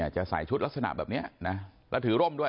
จะใส่ชุดลักษณะแบบนี้นะแล้วถือร่มด้วย